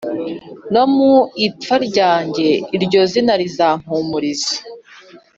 nomu ipfa ryanjye iryozina rizampumuriza